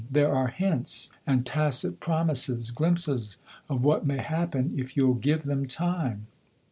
There are hints and tacit promises glimpses of what may happen if you'll give them time."